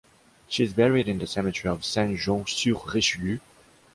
She is buried in the cemetery of Saint-Jean-sur-Richelieu.